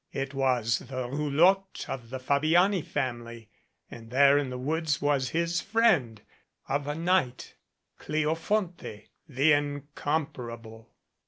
It was the roulotte of the Fabiani family and there in the woods was his friend of a night, Cleofonte, the incomparable.